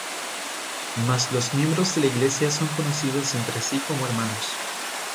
Mas los miembros de la iglesia son conocidos entre sí como hermanos.